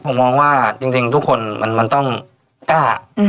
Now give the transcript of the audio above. ผมมองว่าจริงทุกคนมันต้องกล้า